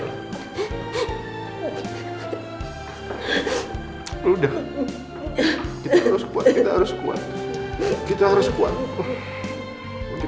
aku gak bisa bergantung